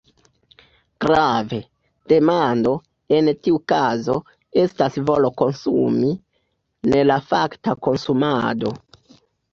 Grave: demando, en tiu kazo, estas volo konsumi, ne la fakta konsumado.